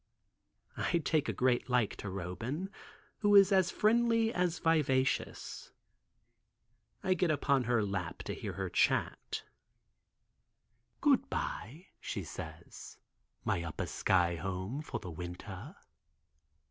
I take a great like to Roban, who is as friendly as vivacious. I get upon her lap to hear her chat. "Good bye," she says, "my upper sky home, for the winter.